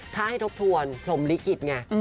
ถ้าให้ทบทวนพรมลิขิตไง